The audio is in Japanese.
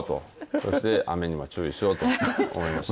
そして雨にも注意しようと思いました。